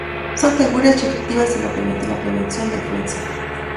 Son seguras y efectivas en la prevención de brotes de Influenza.